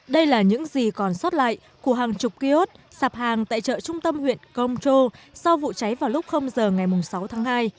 đây là những gì còn sót lại của hàng chục ký ốt sạp hàng tại chợ trung tâm huyện công châu sau vụ cháy vào lúc giờ ngày sáu tháng hai